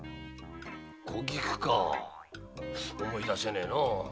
小菊か思い出せねえな。